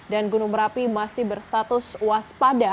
dan gunung merapi masih berstatus waspada